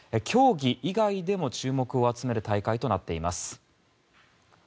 競技以外でも注目を集める大会となっています。